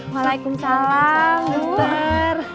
waalaikumsalam bu dokter